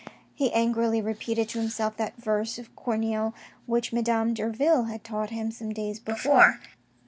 He angrily repeated to himself that verse of Corneille which Madame Derville had taught him some days before.